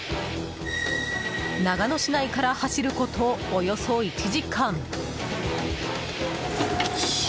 長野市内から走ることおよそ１時間。